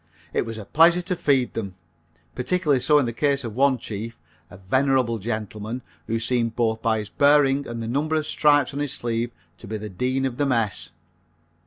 It was a pleasure to feed them, particularly so in the case of one chief, a venerable gentleman, who seemed both by his bearing and the number of stripes on his sleeve to be the dean of the mess.